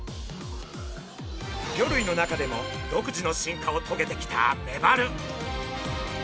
魚類の中でも独自の進化をとげてきたメバル。